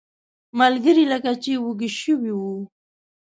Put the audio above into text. ملګري لکه چې وږي شوي وو.